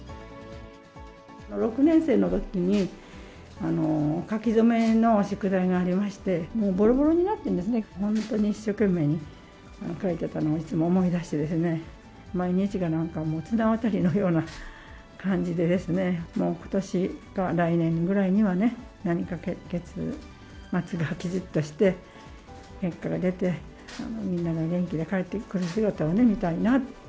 ６年生のときに、書き初めの宿題がありまして、もうぼろぼろになってるんですね、本当に一生懸命に書いていたのを、いつも思い出してですね、毎日がなんかもう、綱渡りのような感じでですね、もうことしか、来年ぐらいにはね、何か結末がきちっとして、結果が出て、みんなが元気で帰ってくる姿を見たいな。